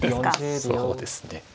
そうですね。